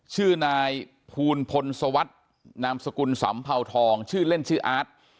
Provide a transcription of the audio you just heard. ชื่อนายภูลพลสวัสดิ์นามสกุลสำเภาทองชื่อเล่นชื่ออาร์ต